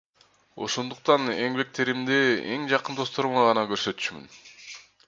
Ошондуктан эмгектеримди эң жакын досторума гана көрсөтчүмүн.